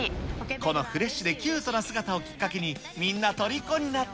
このフレッシュでキュートな姿をきっかけに、みんなとりこになった。